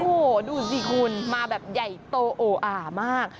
โอ้โหดูสิคุณมาแบบใหญ่โตโออ่ามาก